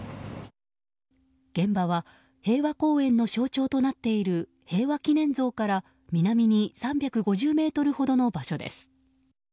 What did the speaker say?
現場は平和公園の象徴となっている平和祈念像から南に３５０ｍほどの場所です。